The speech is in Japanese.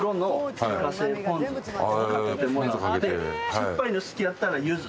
酸っぱいの好きやったらユズ。